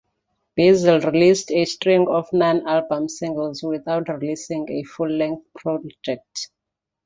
Bizzle released a string of non-album singles without releasing a full-length project.